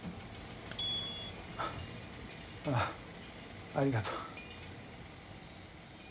ああありがとう。